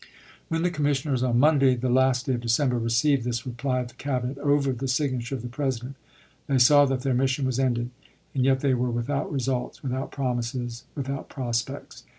When the commissioners, on Monday, the last day of December, received this reply of the Cabinet i860. over the signature of the President, they saw that their mission was ended, and yet they were with out results, without promises, without prospects.